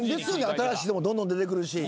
新しい人もどんどん出てくるし。